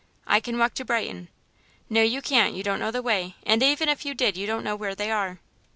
"I can walk to Brighton." "No, you can't; you don't know the way, and even if you did you don't know where they are."